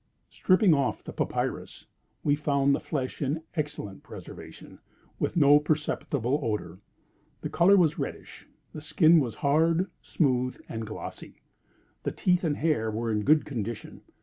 Stripping off the papyrus, we found the flesh in excellent preservation, with no perceptible odor. The color was reddish. The skin was hard, smooth, and glossy. The teeth and hair were in good condition.